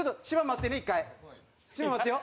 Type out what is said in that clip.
芝待ってよ。